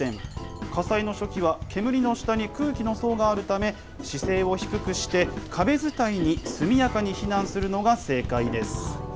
火災の初期は煙の下に空気の層があるため姿勢を低くして壁伝いに速やかに避難するのが正解です。